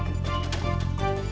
demikian afd malam ini